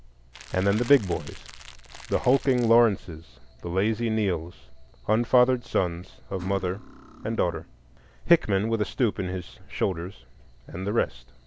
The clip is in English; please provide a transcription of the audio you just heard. And then the big boys,—the hulking Lawrences; the lazy Neills, unfathered sons of mother and daughter; Hickman, with a stoop in his shoulders; and the rest.